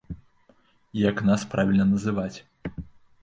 Як нас правільна называць?